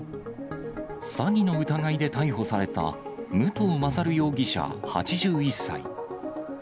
詐欺の疑いで逮捕された、武藤勝容疑者８１歳。